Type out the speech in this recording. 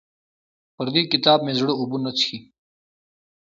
پر دې کتاب مې زړه اوبه نه څښي.